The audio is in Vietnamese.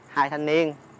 hai thanh niên